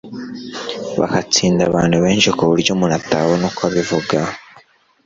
bahatsinda abantu benshi ku buryo umuntu atabona uko abivuga